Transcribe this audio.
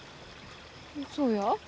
そうや。